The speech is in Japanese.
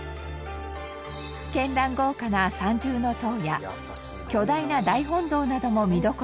絢爛豪華な三重塔や巨大な大本堂なども見どころですが。